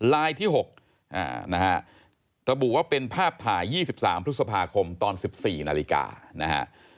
ที่๖นะฮะระบุว่าเป็นภาพถ่าย๒๓พฤษภาคมตอน๑๔นาฬิกานะฮะ